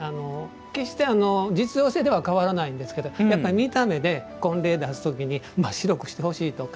決して実用性では変わらないんですけどやっぱり見た目で婚礼に出す時に白くしてほしいとか。